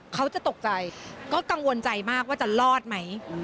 เขาจะตกใจก็กังวลใจมากว่าจะรอดไหม